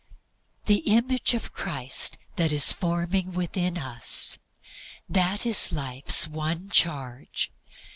The Image of Christ that is forming within us that is life's one charge.